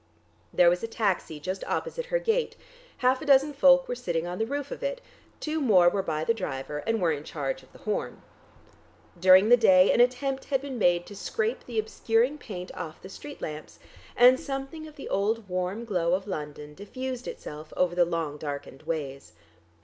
There was a taxi just opposite her gate; half a dozen folk were sitting on the roof of it, two more were by the driver, and were in charge of the horn.... During the day an attempt had been made to scrape the obscuring paint off the street lamps, and something of the old warm glow of London diffused itself over the long darkened ways.